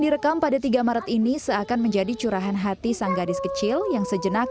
direkam pada tiga maret ini seakan menjadi curahan hati sang gadis kecil yang sejenak